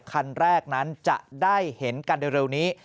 คันแรกนั้นจะได้เห็นกันเร็วนี้